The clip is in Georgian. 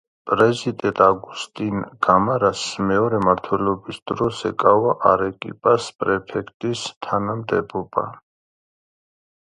პრეზიდენტ აგუსტინ გამარას მეორე მმართველობის დროს ეკავა არეკიპას პრეფექტის თანამდებობა.